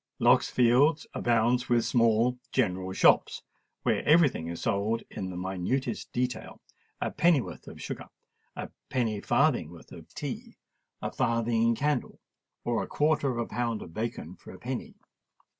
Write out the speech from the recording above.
Lock's Fields abound with small "general shops," where every thing is sold in the minutest detail—a pennyworth of sugar, a penny farthing worth of tea, a farthing candle, or a quarter of a pound of bacon for a penny.